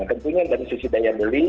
tentunya dari sisi daya beli